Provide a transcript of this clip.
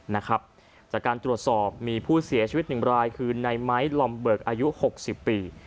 จากการตรวจสอบมีผู้เสียชีวิตหนึ่งรายคือในไม้ลอมเบิกอายุหกสิบปี